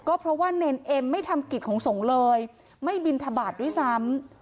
ก็เพราะว่าเนรเอ็มไม่ทำกิจของสงฆ์เลยไม่บินทบาทด้วยซ้ำ